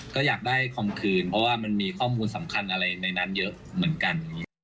ก็อยากได้ทองคืนเพราะว่ามันมีข้อมูลสำคัญอะไรในนั้นเยอะเหมือนกัน